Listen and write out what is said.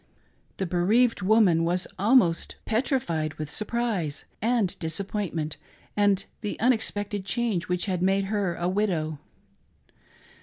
The bereaved woman was almost petrified with surprise and disappointment, and the unexpected change which had made her a widow.